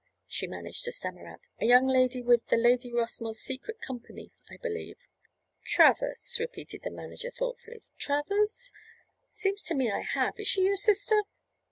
she managed to stammer out. "A young lady with the 'Lady Rossmore's Secret' company, I believe." "Travers," repeated the manager thoughtfully, "Travers? Seems to me I have. Is she your sister?"